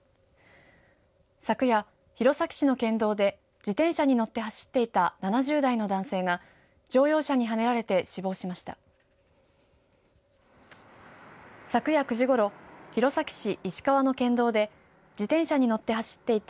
昨夜、弘前市の県道で自転車に乗って走っていた７０代の男性が乗用車にはねられて死亡しました。